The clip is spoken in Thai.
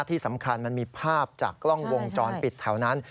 มันมีภาพจากกล้องวงจรปิดแถวนั้น